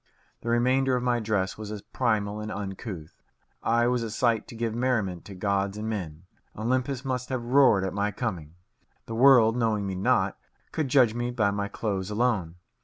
The remainder of my dress was as primal and uncouth. I was a sight to give merriment to gods and men. Olympus must have roared at my coming. The world, knowing me not, could judge me by my clothes alone.